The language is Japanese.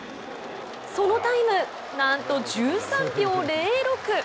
そのタイムなんと１３秒０６。